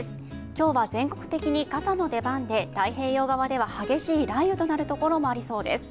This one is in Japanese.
今日は全国的に傘の出番で太平洋側では激しい雷雨となるところもありそうです。